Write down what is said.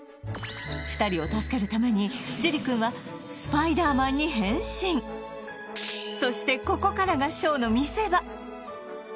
２人を助けるためにジュリ君はスパイダーマンに変身そしてＷＥＳＴ扮する